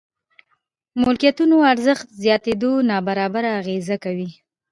ملکيتونو ارزښت زياتېدو نابرابري اغېزه کوي.